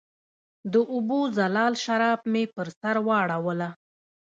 د اوبو زلال شراب مې پر سر واړوله